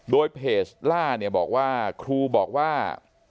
โดยเพจล่าเนี่ยบอกว่าครูบอกว่า